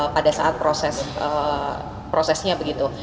pada saat prosesnya begitu